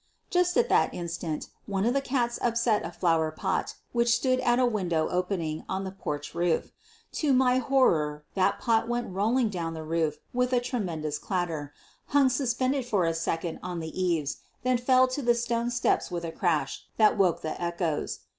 Just at that instant one of the cats upset a flower pot which stood at a window opening on the porch roof. To my horror that pot went rolling down the roof with a tremendous clatter, hung suspended for a second on the eaves, then fell to the stone steps with a crash that woke the echoes.